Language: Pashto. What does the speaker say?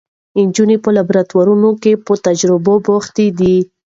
نجونې په لابراتوارونو کې په تجربو بوختې دي.